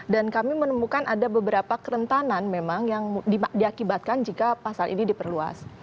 dan kami menemukan ada beberapa kerentanan memang yang diakibatkan jika pasal ini diperluas